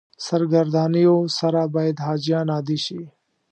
سرګردانیو سره باید حاجیان عادي شي.